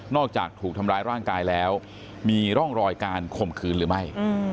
อกจากถูกทำร้ายร่างกายแล้วมีร่องรอยการข่มขืนหรือไม่